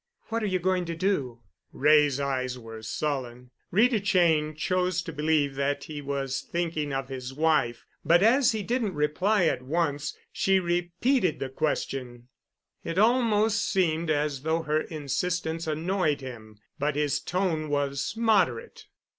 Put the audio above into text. "What are you going to do?" Wray's eyes were sullen. Rita Cheyne chose to believe that he was thinking of his wife. But as he didn't reply at once she repeated the question. It almost seemed as though her insistence annoyed him, but his tone was moderate.